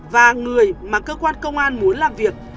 và người mà cơ quan công an muốn làm việc